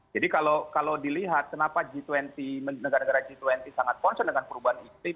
jadi kalau dilihat kenapa g dua puluh negara negara g dua puluh sangat concern dengan perubahan iklim